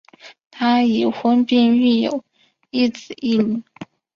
他已婚并育有一子一女。